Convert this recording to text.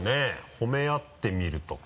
褒め合ってみるとか。